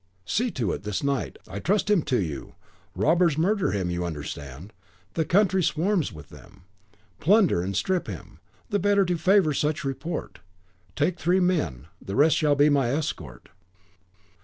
See to it, this night. I trust him to you. Robbers murder him, you understand, the country swarms with them; plunder and strip him, the better to favour such report. Take three men; the rest shall be my escort."